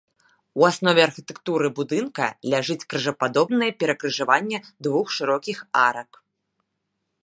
У аснове архітэктуры будынку ляжыць крыжападобнае перакрыжаванне двух шырокіх арак.